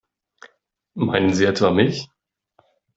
Meinen Sie etwa mich?